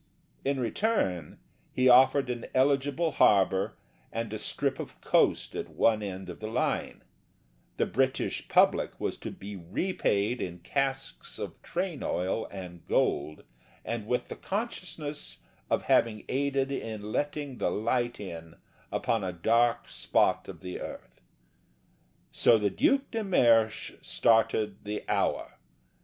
In return he offered an eligible harbour and a strip of coast at one end of the line; the British public was to be repaid in casks of train oil and gold and with the consciousness of having aided in letting the light in upon a dark spot of the earth. So the Duc de Mersch started the Hour.